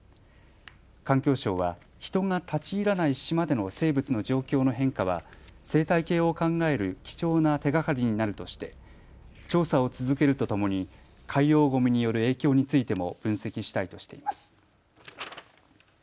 環境省は人が立ち入らない島での生物の状況の変化は生態系を考える貴重な手がかりになるとして調査を続けるとともに海洋ごみによる影響についても分析したいとしています。